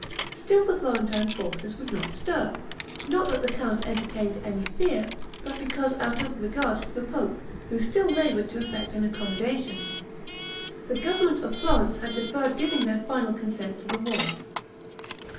Still the Florentine forces would not stir; not that the count entertained any fear, but because, out of regard to the pope, who still labored to effect an accommodation, the government of Florence had deferred giving their final consent to the war.